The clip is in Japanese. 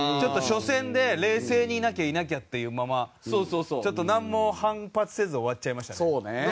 初戦で冷静にいなきゃいなきゃっていうままなんも反発せず終わっちゃいましたね。